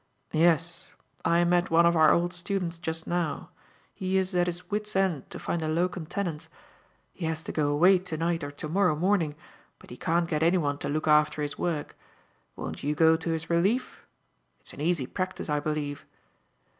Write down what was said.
"Yes. I met one of our old students just now. He is at his wit's end to find a locum tenens. He has to go away to night or to morrow morning, but he can't get anyone to look after his work. Won't you go to his relief? It's an easy practice, I believe."